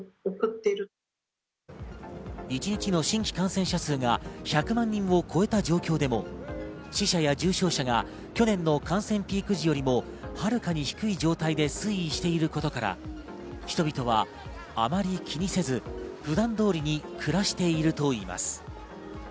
一日の新規感染者数が１００万人を超えた状況でも死者や重症者が去年の感染ピーク時よりもはるかに低い状態で推移していることから、人々はあまり気にせず、普段通りに暮らしているといいます。